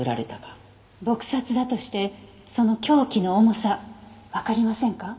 撲殺だとしてその凶器の重さわかりませんか？